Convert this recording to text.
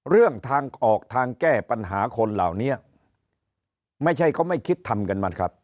เรื่องทางออกทางแก้ปัญหาคนเหล่านี้ไม่ใช่เขาไม่คิดทำกันมันครับ